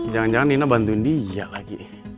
jangan jangan nina bantuin dia lagi